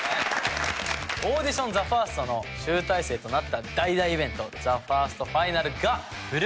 オーディション「ＴＨＥＦＩＲＳＴ」の集大成となった大々イベント「ＴＨＥＦＩＲＳＴＦＩＮＡＬ」が。